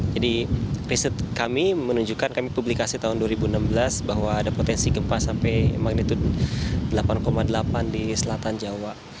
jadi riset kami menunjukkan kami publikasi tahun dua ribu enam belas bahwa ada potensi gempa sampai magnitude delapan delapan di selatan jawa